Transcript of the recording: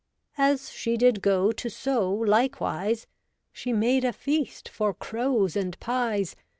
As she did go to sow likewise, She made a feast for crows and pies.